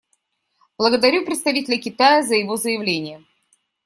Благодарю представителя Китая за его заявление.